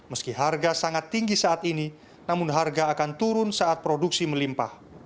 meski harga sangat tinggi saat ini namun harga akan turun saat produksi melimpah